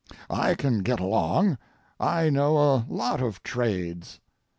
I can get along; I know a lot of trades.